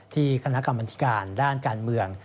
คณะกรรมธิการด้านการเมือง